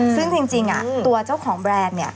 ซึ่งจริงตัวเจ้าของแบรนด์เนี่ย